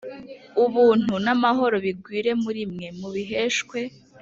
Ubuntu n amahoro bigwire muri mwe mubiheshwa